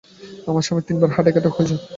আমার স্বামীর তিনবার হার্ট এটাক হয়েছে।